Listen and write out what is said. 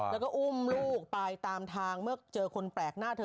แล้วก็อุ้มลูกตายตามทางเมื่อเจอคนแปลกหน้าเธอ